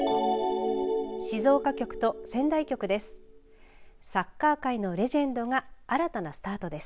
静岡局と仙台局です。